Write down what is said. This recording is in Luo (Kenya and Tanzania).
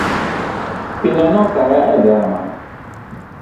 Pino nokaya e gama.